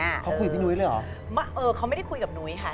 เขาคุยกับพี่นุ้ยเลยเหรอเออเขาไม่ได้คุยกับนุ้ยค่ะ